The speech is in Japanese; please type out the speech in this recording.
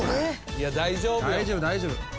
いや大丈夫や。